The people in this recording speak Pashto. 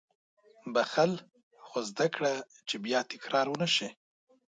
• بښل، خو زده کړه چې بیا تکرار ونه شي.